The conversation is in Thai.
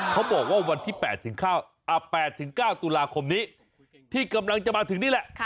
เขาบอกว่าวันที่๘๙ตุลาคมนี้ที่กำลังจะมาถึงนี่แหละ